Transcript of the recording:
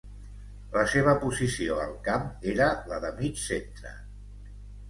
La seva posició al camp era la de mig centre.